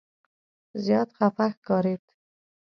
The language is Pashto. زیات خفه ښکارېد.